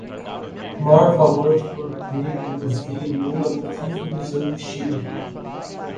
morfa, morfi, morgêgo, mosteiro, mula, muquifo, museu, muxiba